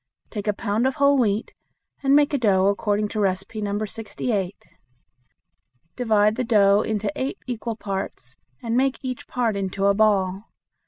Take a pound of whole wheat and make a dough according to No. 68. Divide the dough into eight equal parts and make each part into a ball.